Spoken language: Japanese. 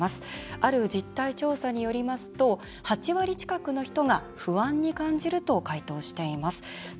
ある実態調査によりますと８割近くの人が不安に感じると回答しています。